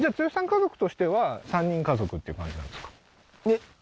家族としては３人家族っていう感じなんですか？